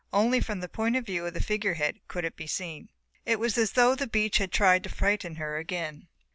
Only from the point of view of the figure head could it be seen. It was as though the beach had tried to frighten her again.